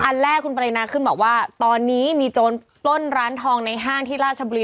อันแรกคุณปรินาขึ้นบอกว่าตอนนี้มีโจรปล้นร้านทองในห้างที่ราชบุรี